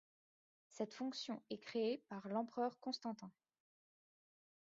Cette fonction est créée par l'empereur Constantin.